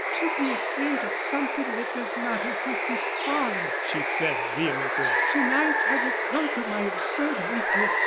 "To be afraid of something that does not exist, is folly!" she said, vehemently. "To night I will conquer my absurd weakness."